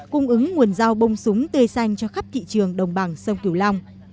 cung ứng nguồn rau bông súng tươi xanh cho khắp thị trường đồng bằng sông cửu long